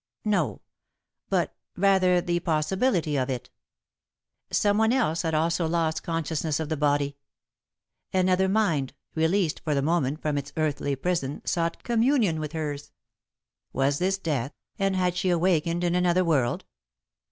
No, but rather the possibility of it. Someone else had also lost consciousness of the body. Another mind, released for the moment from its earthly prison, sought communion with hers. Was this death, and had she wakened in another world?